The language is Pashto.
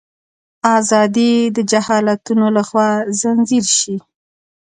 ازادي د جهالتونو لخوا ځنځیر شي.